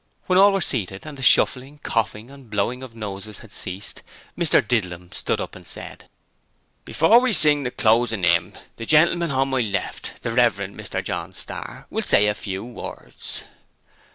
When all were seated and the shuffling, coughing and blowing of noses had ceased Mr Didlum stood up and said: 'Before we sing the closin' 'ymn, the gentleman hon my left, the Rev. Mr John Starr, will say a few words.'